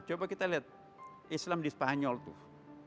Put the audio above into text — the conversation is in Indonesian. coba kita lihat islam di spanyol tuh